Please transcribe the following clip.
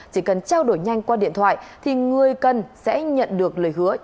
chỉ cần trao đổi nhanh qua điện thoại thì người cần sẽ nhận được lời hứa